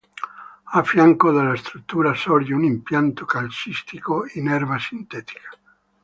A fianco della struttura sorge un impianto calcistico in erba sintetica.